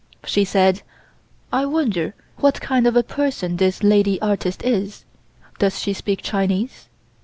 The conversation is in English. She said: "I wonder what kind of a person this lady artist is. Does she speak Chinese?"